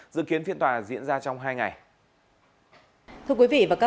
dự kiến phiên tòa diễn ra trong hai ngày